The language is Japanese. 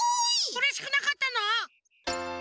うれしくなかったの？